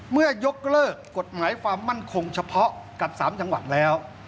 เมื่อยกเลิกกฎหมายความมั่นคงเฉพาะกับ๓จังหวัดแล้ว